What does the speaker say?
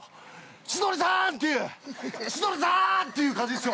「千鳥さん！」っていう「千鳥さん！」っていう感じですよ